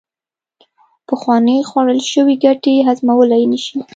پخوانې خوړل شوې ګټې هضمولې نشي